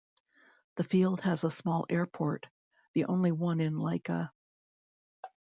The field has a small airport, the only one in Lika.